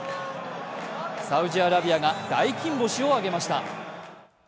サウジアラビアが大金星を挙げました。